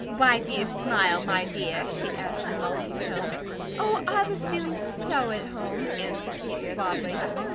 "Why do you smile, my dear?" she asked in melting tone. "Oh, I was feeling so at home," answered Kate, suavely.